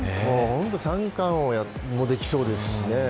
三冠王もできそうですしね